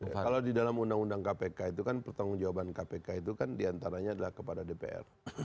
kalau di dalam undang undang kpk itu kan pertanggung jawaban kpk itu kan diantaranya adalah kepada dpr